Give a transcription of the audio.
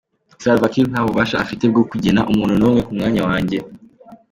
Salva Kiir nta bubasha afite bwo kugena umuntu n’umwe ku mwanya wanjye.